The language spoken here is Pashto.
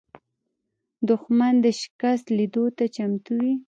دښمن د شکست لیدلو ته چمتو وي